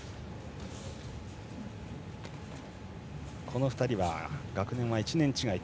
この２人は学年は１年違い。